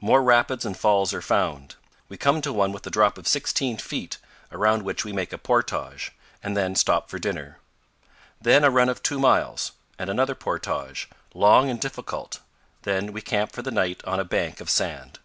More rapids and falls are found. We come to one with a drop of sixteen feet, around which we make a portage, and then stop for dinner. Then a run of two miles, and another portage, long and difficult; then we camp for the night on a bank of sand.